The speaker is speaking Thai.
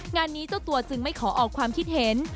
งานนี้เจ้าตัวจึงไม่ขอออกความคิดเห็น